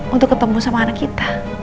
untuk ketemu sama anak kita